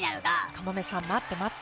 カモメさん、待って待って。